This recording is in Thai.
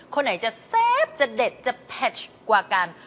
คนไหนจะแซ่บจะเด็ดจะแพชกว่ากัน